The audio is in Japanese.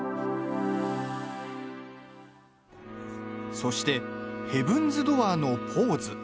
そしてヘブンズ・ドアーのポーズ。